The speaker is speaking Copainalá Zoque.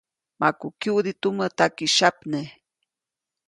Maku kyuʼdi tumä takisyapne.